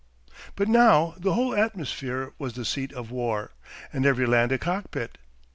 But now the whole atmosphere was the Seat of War, and every land a cockpit.